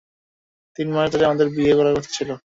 তিন মাস পর আমাদের বিয়ে করার কথা ছিল।